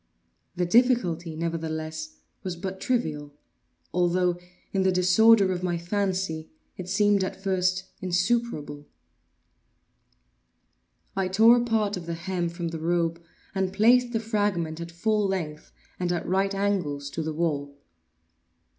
The difficulty, nevertheless, was but trivial; although, in the disorder of my fancy, it seemed at first insuperable. I tore a part of the hem from the robe and placed the fragment at full length, and at right angles to the wall.